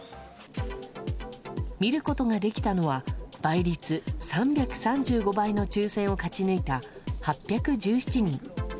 見ることができたのは倍率３３５倍の抽選を勝ち抜いた８１７人。